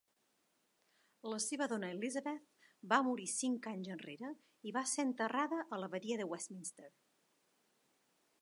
La seva dona Elizabeth va morir cinc anys enrere i va ser enterrada a l"Abadia de Westminster.